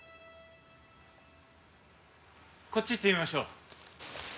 こっち行ってみましょう。